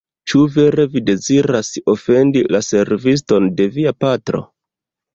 Ĉu vere vi deziras ofendi la serviston de via patro?